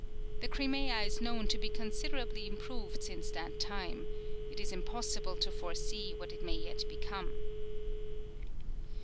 The Crimea is known to be considerably improved since that time it is impossible to foresee what it may yet become.